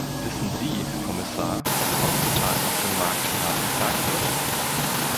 Wissen Sie, Herr Kommissar, was heutzutage auf dem Markt nachgefragt wird?